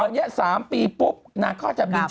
อยู่ญี่ปุ่นก่อน